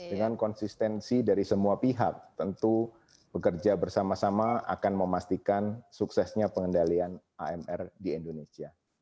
dengan konsistensi dari semua pihak tentu bekerja bersama sama akan memastikan suksesnya pengendalian amr di indonesia